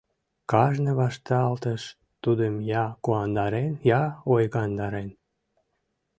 Кажне вашталтыш тудым я куандарен, я ойгандарен.